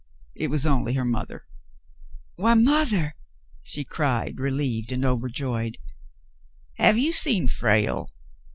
It was only her mother. Why, mothah !" she cried, relieved and overjoyed. Have you seen Frale